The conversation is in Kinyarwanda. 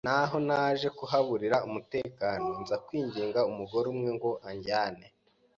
Naho naje kuhaburira umutekano nza kwinginga umugore umwe ngo anjyane